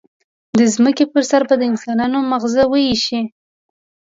د ځمکې پر سر به د انسانانو ماغزه وایشي.